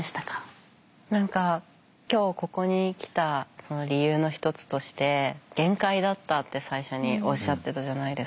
何か今日ここに来た理由の一つとして「限界だった」って最初におっしゃってたじゃないですか。